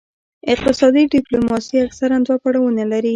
اقتصادي ډیپلوماسي اکثراً دوه پړاوونه لري